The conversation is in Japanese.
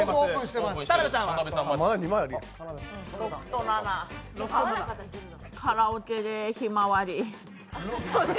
６と７、カラオケでひまわり。